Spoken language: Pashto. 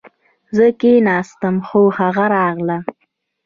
زه کښېناستم خو هغه راغله